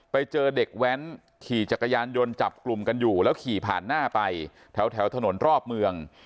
ไปเจอเด็กแว้นขี่จักรยานยนต์จับกลุ่มกันอยู่แล้วขี่ผ่านหน้าไปแถวถนนรอบเมือง